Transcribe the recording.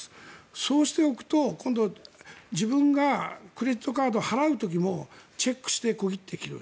そうしておくと、今後自分がクレジットカード払う時もチェックして小切手を切る。